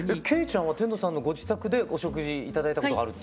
惠ちゃんは天童さんのご自宅でお食事頂いたことがある。